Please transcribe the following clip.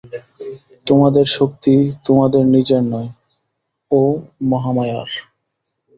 তোমাদের শক্তি তোমাদের নিজের নয়, ও মহামায়ার।